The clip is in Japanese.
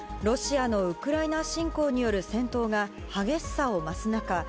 ロシアのウクライナ侵攻による戦闘が激しさを増す中